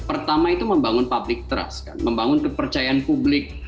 pertama itu membangun public trust kan membangun kepercayaan publik